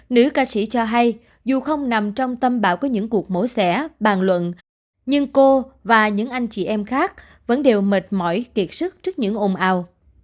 nữ ca sĩ cho hay dù không nằm trong tâm bảo của những cuộc mổ xẻ bàn luận nhưng cô và những anh chị em khác vẫn đều mệt mỏi kiệt sức trước những ồn ào